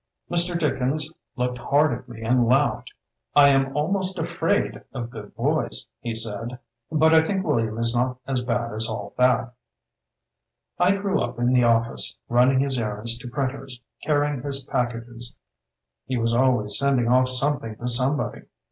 Mr. Dickens looked hard at me and laughed. 'I am almost afraid of good boys', he said, 'but I think William is not so bad as all that.' "I grew up in the office, running his errands to printers, carrying his pack ages— ^he was always sending off some thing to somebody.